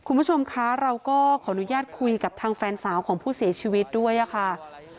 คุณผู้ชมคะเราก็ขออนุญาตคุยกับทางแฟนสาวของผู้เสียชีวิตด้วยค่ะ